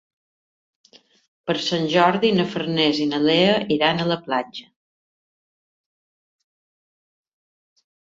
Per Sant Jordi na Farners i na Lea iran a la platja.